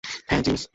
হ্যাঁ, জিউস।